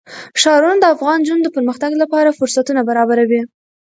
ښارونه د افغان نجونو د پرمختګ لپاره فرصتونه برابروي.